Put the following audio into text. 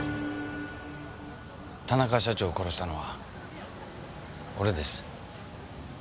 田中社長を殺したのは俺です。